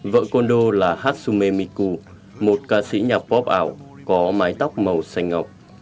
vợ kondo là hatsume miku một ca sĩ nhạc pop ảo có mái tóc màu xanh ngọc